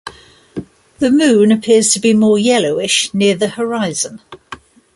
The moon appears to be more yellowish near the horizon.